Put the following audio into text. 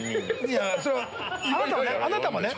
いやそれはあなたもね。